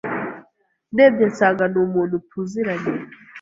ndebye nsanga ni umuntu tuziranye